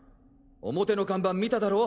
表の看板見ただろ？